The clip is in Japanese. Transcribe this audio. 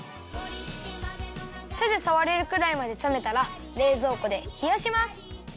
てでさわれるくらいまでさめたられいぞうこでひやします。